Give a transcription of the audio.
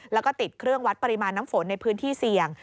แล้วก็ติดเครื่องวัดปริมาณน้ำฝนในพื้นที่เสี่ยง